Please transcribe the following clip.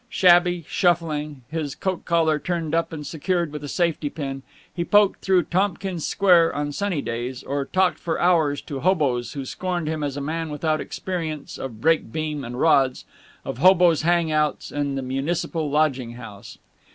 Shabby, shuffling, his coat collar turned up and secured with a safety pin, he poked through Tompkins Square, on sunny days, or talked for hours to hoboes who scorned him as a man without experience of brake beam and rods, of hoboes' hangouts and the Municipal Lodging House.